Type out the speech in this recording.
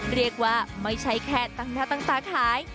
ไม่ใช่แค่ตั้งหน้าตั้งตาขาย